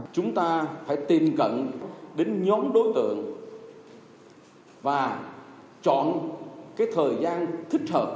chúng ta phải tìm cận đến nhóm đối tượng và chọn cái thời gian thích hợp